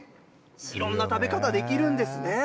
いろんな食べ方できるんですね。